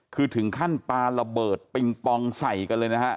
คือถึงขั้นปลาระเบิดปิงปองใส่กันเลยนะฮะ